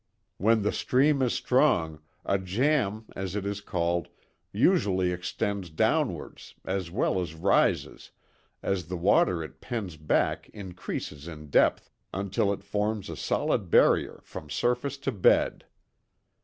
When the stream is strong, a jamb, as it is called, usually extends downwards, as well as rises, as the water it pens back increases in depth, until it forms a solid barrier from surface to bed.